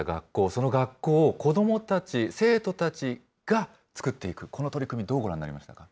その学校を子どもたち、生徒たちが作っていく、この取り組み、どうご覧になりましたか？